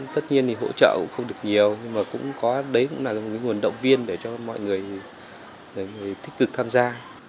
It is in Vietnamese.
tất nhiên thì hỗ trợ cũng không được nhiều nhưng mà cũng có đấy là nguồn động viên để cho mọi người thích cực tham gia